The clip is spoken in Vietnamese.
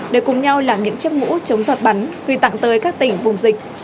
để cùng nhau làm những chiếc mũ chống giọt bắn quy tặng tới các tỉnh vùng dịch